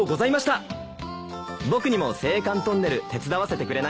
僕にも青函トンネル手伝わせてくれないかい？